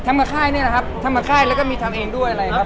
กับค่ายนี่แหละครับทำกับค่ายแล้วก็มีทำเองด้วยอะไรครับ